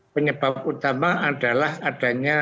penyebab utama adalah adanya